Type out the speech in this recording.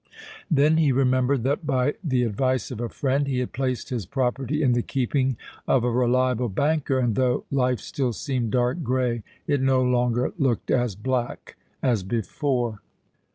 Then he remembered that, by the advice of a friend, he had placed his property in the keeping of a reliable banker and, though life still seemed dark grey, it no longer looked as black as before.